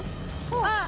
あっ！